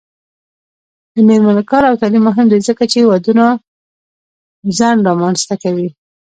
د میرمنو کار او تعلیم مهم دی ځکه چې ودونو ځنډ رامنځته کوي.